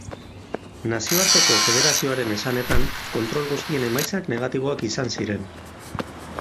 Nazioarteko federazioaren esanetan kontrol guztien emaitzak negatiboak izan ziren.